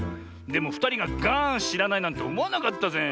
でもふたりがガーンしらないなんておもわなかったぜ。